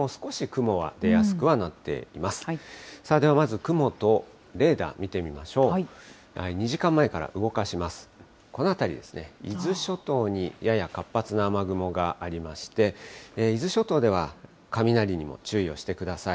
この辺りですね、伊豆諸島に、やや活発な雨雲がありまして、伊豆諸島では雷にも注意をしてください。